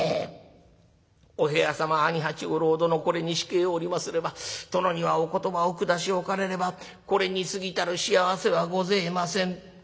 お部屋様兄八五郎殿これに控えおりますれば殿にはお言葉お下しおかれればこれにすぎたる幸せはごぜえません」。